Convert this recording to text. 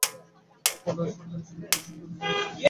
খুব মোটাসোটা, এক সময়ে বেশ সুন্দরী ছিলেন বোঝা যায়, বয়স পঞ্চাশের উপর।